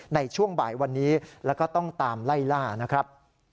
ในช่วงบ่ายวันนี้แล้วก็ต้องตามไล่ล่านะครับ